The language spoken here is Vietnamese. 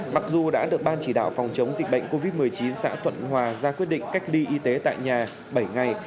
mặc dù đã được ban chỉ đạo phòng chống dịch bệnh covid một mươi chín xã thuận hòa ra quyết định cách ly y tế tại nhà bảy ngày